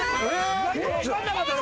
意外とわかんなかったね。